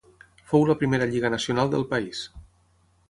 Fou la primera lliga nacional del país.